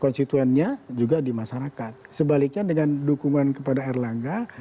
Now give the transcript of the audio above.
konstituennya juga di masyarakat sebaliknya dengan dukungan kepada erlangga